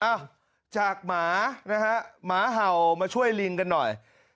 เอ้าจากหมานะฮะหมาเห่ามาช่วยลิงกันหน่อย